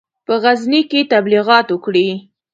په غزني کې تبلیغات وکړي.